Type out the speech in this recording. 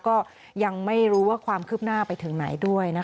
ก็ยังไม่รู้ว่าความคืบหน้าไปถึงไหนด้วยนะคะ